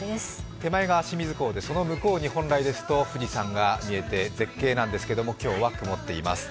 手前が清水港で、その向こうに本来でしたら富士山が見えて絶景なんですけど、今日は曇っています。